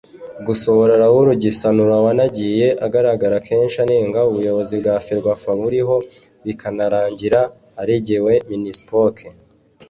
Gusohora Raoul Gisanura wanagiye agaragara kenshi anenga ubuyobozi bwa Ferwafa buriho bikanarangira aregeye Minispoc